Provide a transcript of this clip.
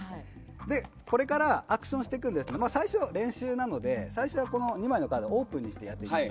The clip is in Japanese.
これからアクションしていくんですが最初、練習なので２枚のカードをオープンにしてやります。